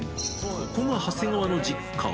ここが長谷川の実家。